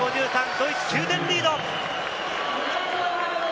ドイツ、９点リード。